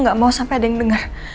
gak mau sampai ada yang dengar